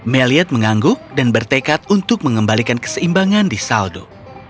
meliad mengangguk dan bertekad untuk mengembalikan keseimbangan di saldo